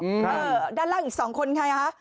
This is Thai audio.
อื่อด้านล่าง๒คนค่ะ